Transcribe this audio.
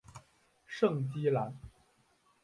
圣基兰。